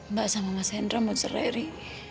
mbak sama mas hendra mau cerai ri